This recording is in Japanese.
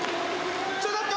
ちょっと。